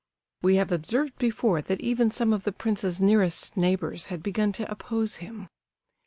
We have observed before that even some of the prince's nearest neighbours had begun to oppose him.